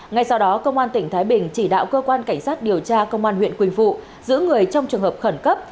ngay sau đó công an tỉnh thái bình chỉ đạo cơ quan cảnh sát điều tra công an huyện quỳnh phụ giữ người trong trường hợp khẩn cấp